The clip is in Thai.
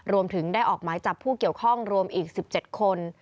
รวมถึงได้ออกหมายจับผู้เกี่ยวข้องรวมอีก๑๗คน